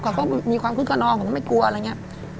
เขาก็มีความคุ้กกับน้องไม่กลัวอะไรอย่างนี้